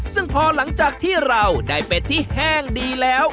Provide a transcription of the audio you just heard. ซึ่งพอหลังจากที่เราได้เป็ดที่แห้งดีแล้ว